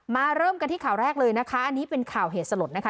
เริ่มกันที่ข่าวแรกเลยนะคะอันนี้เป็นข่าวเหตุสลดนะคะ